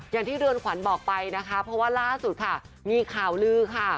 อย่างที่เรือนขวัญบอกไปนะคะเพราะว่าล่าสุดค่ะมีข่าวลือค่ะ